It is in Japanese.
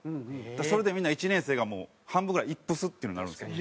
それでみんな１年生が半分ぐらいイップスっていうのになるんですよ。